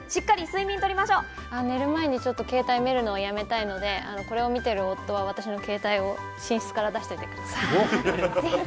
寝る前にちょっと携帯を見るのをやめたいので、これを見ている夫は私の携帯を寝室から出しておいてください。